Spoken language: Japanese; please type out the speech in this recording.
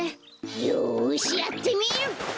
よしやってみる！